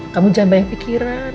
kamu jangan banyak pikiran